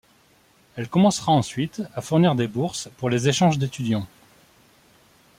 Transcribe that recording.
Elle commencera ensuite à fournir des bourses pour les échanges d'étudiants.